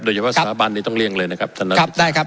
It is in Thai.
โดยเฉพาะสาบานนี้ต้องเลี่ยงเลยนะครับครับได้ครับ